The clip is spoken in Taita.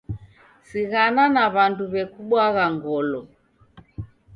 Sighana na w'andu w'ekubwagha ngolo.